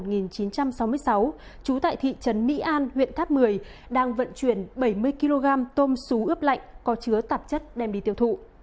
trú tại thị trấn mỹ an huyện tháp một mươi đang vận chuyển bảy mươi kg tôm xú ướp lạnh có chứa tạp chất đem đi tiêu thụ